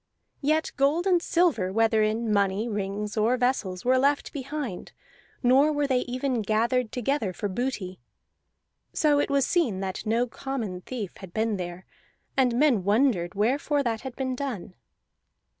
Yet gold and silver, whether in money, rings, or vessels, were left behind, nor were they even gathered together for booty. So it was seen that no common thief had been there, and men wondered wherefore that had been done.